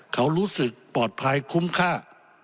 เขารู้สึกปลอดภัยคุ้มค่า